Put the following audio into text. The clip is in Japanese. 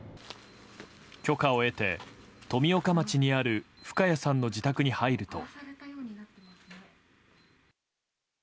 許可を得て富岡町にある深谷さんの自宅に入ると。